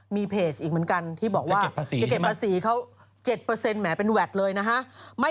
มีเพจอีกเหมือนกันที่บอกว่า